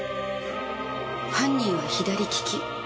犯人は左利き。